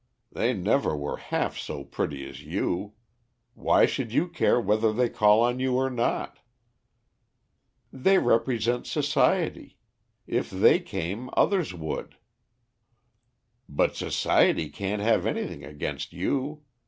They never were half so pretty as you. Why should you care whether they called on you or not." "They represent society. If they came, others would." "But society can't have anything against you.